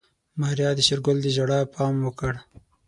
ماريا د شېرګل د ژړا پام وکړ.